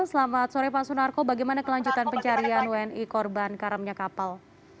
selamat sore pak sunarko bagaimana kelanjutan pencarian wni korban karamnya kapal